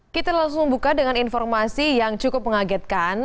kita langsung buka dengan informasi yang cukup mengagetkan